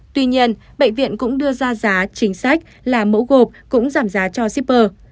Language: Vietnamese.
tuy nhiên bệnh viện cũng đưa ra giá chính sách là mẫu gộp cũng giảm giá cho shipper